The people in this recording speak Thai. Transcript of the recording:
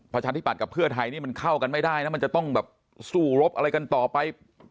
ประชาธิบัตย์กับเพื่อไทยนี่มันเข้ากันไม่ได้นะมันจะต้องแบบสู้รบอะไรกันต่อไป